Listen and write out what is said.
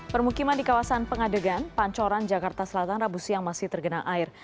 permukiman di kawasan pengadegan pancoran jakarta selatan rabu siang masih tergenang air